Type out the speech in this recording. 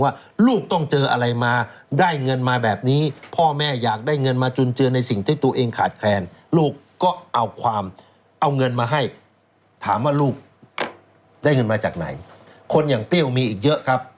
ว่าลูกได้เงินมาจากไหนคนอย่างเปรี้ยวมีอีกเยอะครับ